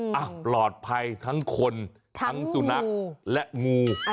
อ่ะปลอดภัยทั้งคนทั้งสุนัขและงู